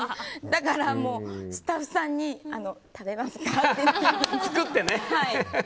だからスタッフさんに食べますか？